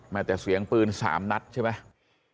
แต่เสียงปืน๓นัดใช่ไหม